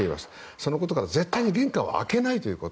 そのことから絶対に玄関を開けないこと。